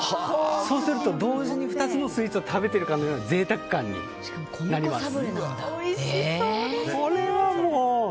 そうすると同時に２つのスイーツを食べてるかのような贅沢感になります。